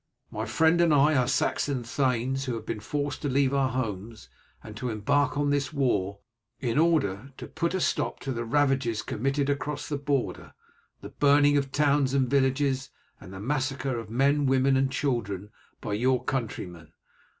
"My friend and I are Saxon thanes, who have been forced to leave our homes and to embark on this war in order to put a stop to the ravages committed across the border the burning of towns and villages, and the massacre of men, women, and children by your countrymen.